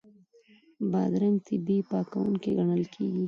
بادرنګ طبیعي پاکوونکی ګڼل کېږي.